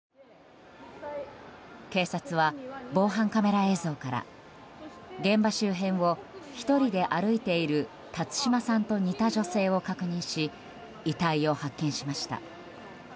警察は防犯カメラ映像から現場周辺を１人で歩いている辰島さんと似た女性を確認し遺体を発見しました。